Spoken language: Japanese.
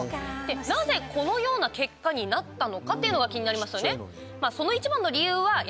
なぜこのような結果になったのかっていうのが気になりますよね。